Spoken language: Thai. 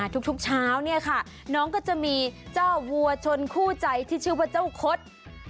ทุกเช้าเนี่ยค่ะน้องก็จะมีเจ้าวัวชนคู่ใจที่ชื่อว่าเจ้าคด